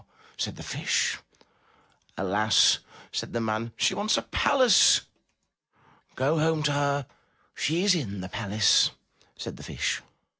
said the Fish. ''Alas!'* said the man. "She wants a palace.'' '*Go home to her; she is in the palace, said the Fish.